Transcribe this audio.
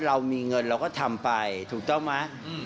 เรามีเงินเราก็ทำไปถูกต้องไหม